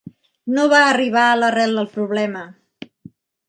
No va arribar a l'arrel del problema.